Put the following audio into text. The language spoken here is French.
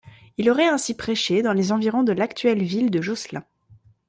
Il aurait ainsi prêché dans les environs de l'actuelle ville de Josselin.